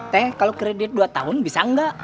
teh kalau kredit dua tahun bisa enggak